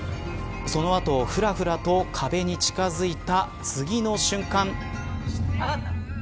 そのあとふらふらと壁に近づいた次の瞬間。